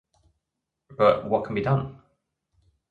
But what can be done?